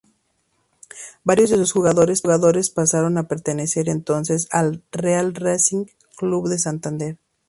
Varios de sus jugadores pasaron a pertenecer entonces al Real Racing Club de Santander.